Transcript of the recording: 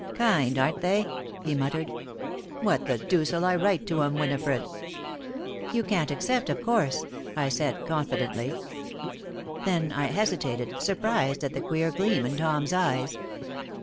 "Kind, aren't they?" he muttered. "What the deuce'll I write to 'em, Winifred?" "You can't accept, of course," I said, confidently. Then I hesitated, surprised at the queer gleam in Tom's eyes.